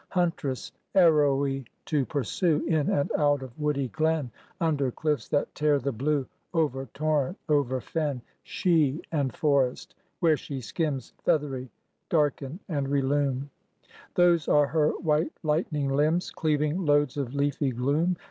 Huntress, arrowy to pursue, In and out of woody glen, Under cliffs that tear the blue, Over torrent, over fen, She and forest, where she skims Feathery, darken and relume: Those are her white lightning limbs Cleaving loads of leafy gloom.